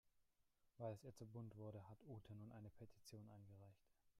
Weil es ihr zu bunt wurde, hat Ute nun eine Petition eingereicht.